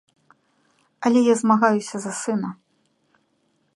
Але я змагаюся за сына.